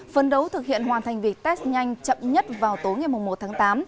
phần đấu thực hiện hoàn thành việc test nhanh chậm nhất vào tối ngày mùa một tháng tám